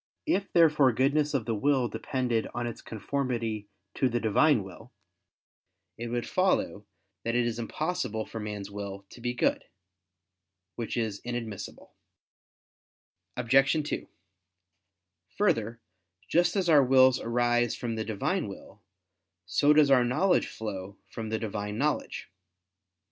If therefore goodness of the will depended on its conformity to the Divine will, it would follow that it is impossible for man's will to be good. Which is inadmissible. Obj. 2: Further, just as our wills arise from the Divine will, so does our knowledge flow from the Divine knowledge.